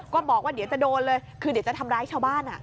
ก็บอกว่าเดี๋ยวจะโดนเลยคือเดี๋ยวจะทำร้ายชาวบ้าน